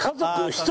１人？